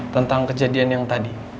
tentang kejadian yg tadi